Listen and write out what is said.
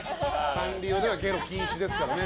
サンリオではゲロ禁止ですからね。